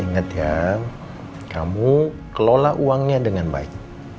ingat ya kamu kelola uangnya dengan baik